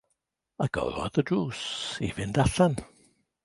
Agorodd y drws i fynd allan.